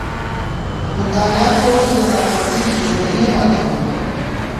• مطالعه کول، د ناپوهۍ زولنې ماتوي.